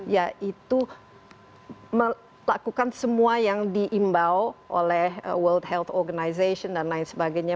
yaitu melakukan semua yang diimbau oleh world health organization dan lain sebagainya